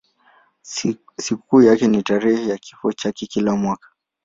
Sikukuu yake ni tarehe ya kifo chake kila mwaka.